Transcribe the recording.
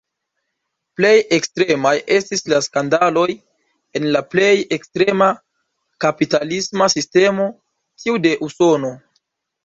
Plej ekstremaj estis la skandaloj en la plej ekstrema kapitalisma sistemo, tiu de Usono.